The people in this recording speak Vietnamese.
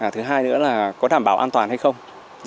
thứ hai nữa là có đảm bảo an toàn hay không